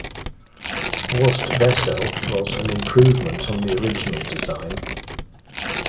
"Horst Wessel" was an improvement on the original design.